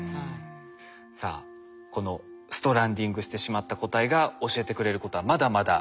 さあこのストランディングしてしまった個体が教えてくれることはまだまだあります。